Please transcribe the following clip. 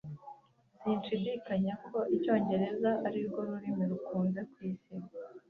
Sinshidikanya ko Icyongereza arirwo rurimi rukunze kwisi.